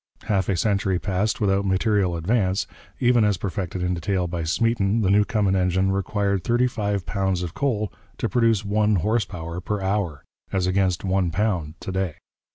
Half a century passed without material advance; even as perfected in detail by Smeaton, the Newcomen engine required thirty five pounds of coal to produce one horse power per hour, as against one pound to day.